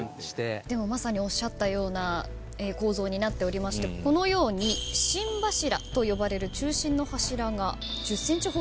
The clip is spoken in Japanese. でもまさにおっしゃったような構造になっておりましてこのように心柱と呼ばれる中心の柱が。